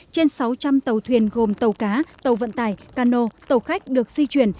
trên sáu trăm linh tàu thuyền gồm tàu cá tàu vận tải cano tàu khách được di chuyển